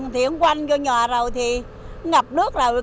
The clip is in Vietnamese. thì quanh vô nhà rồi thì ngập nước rồi